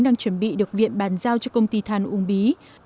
đang chuẩn bị được viện bàn giao cho công ty than uông bí